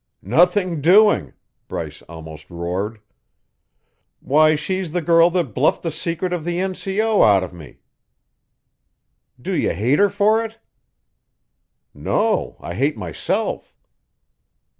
"Nothing doing!" Bryce almost roared. "Why, she's the girl that bluffed the secret of the N. C. O. out of me!" "Do you hate her for it?" "No, I hate myself."